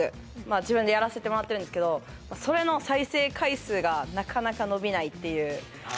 自分でやらせてもらってるんですけどそれの再生回数がなかなか伸びないっていうあ